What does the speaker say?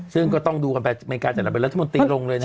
ซึ่งก็ต้องดูกันไปไม่การจับแล้วรัฐมนตรีลงเลยนะ